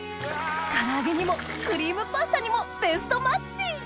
唐揚げにもクリームパスタにもベストマッチ！